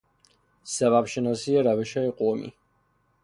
سبب شناسی روشهای قومی